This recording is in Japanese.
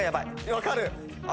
分かる！